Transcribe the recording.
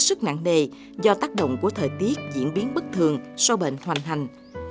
điều này rất nặng đề do tác động của thời tiết diễn biến bất thường so với bệnh hoành hành